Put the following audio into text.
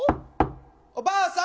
おばあさん